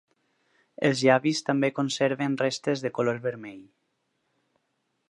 Els llavis també conserven restes de color vermell.